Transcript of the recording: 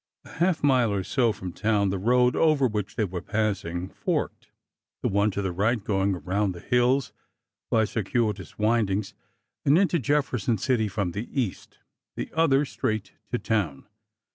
A half mile or so from town the road over which they were passing forked— the one to the right going around the hills by circuitous wind ings and into Jefferson City from the east— the other, straight to town.